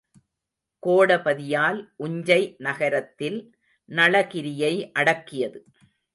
கோடபதியால் உஞ்சை நகரத்தில் நளகிரியை அடக்கியது.